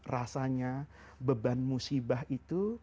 rasanya beban musibah itu